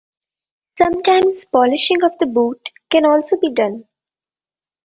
Sometimes polishing of the boot can also be done.